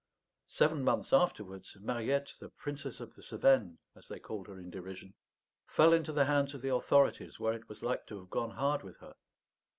Seven months afterwards, Mariette, the Princess of the Cevennes, as they called her in derision, fell into the hands of the authorities, where it was like to have gone hard with her.